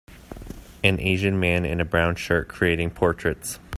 An asian man in a brown shirt creating portraits.